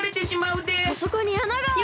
あそこにあながある！